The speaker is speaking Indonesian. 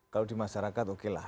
kalau di masyarakat okelah